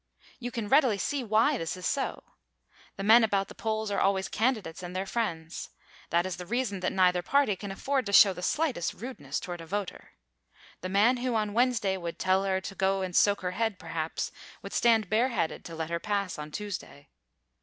You can readily see why this is so. The men about the polls are always candidates and their friends. That is the reason that neither party can afford to show the slightest rudeness toward a voter. The man who on Wednesday would tell her to go and soak her head, perhaps, would stand bareheaded to let her pass on Tuesday.